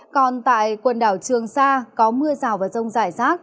còn tại quần đảo trường sa có mưa rào và rông rải rác